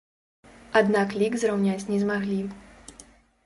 Аднак лік зраўняць не змаглі.